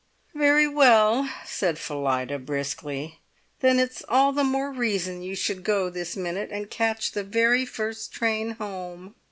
"Very well," said Phillida, briskly; "then it's all the more reason you should go this minute, and catch the very first train home."